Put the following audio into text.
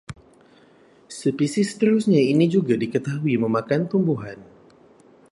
Spesies seterusnya ini juga diketahui memakan tumbuhan